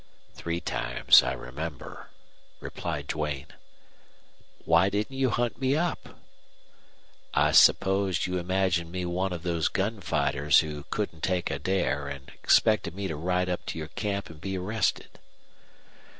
"Three times, I remember," replied Duane. "Why didn't you hunt me up?" "I supposed you imagined me one of those gun fighters who couldn't take a dare and expected me to ride up to your camp and be arrested."